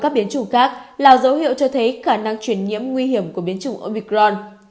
các biến chủng khác là dấu hiệu cho thấy khả năng chuyển nhiễm nguy hiểm của biến chủng omicron